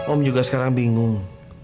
om juga sekarang bingung